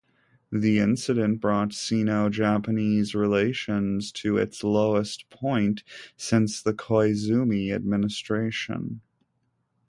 The incident brought Sino-Japanese relations to its lowest point since the Koizumi administration.